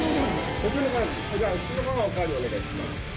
普通のごはんでお代わりお願いします。